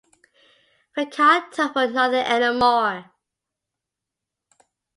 We can't talk for nothing any more.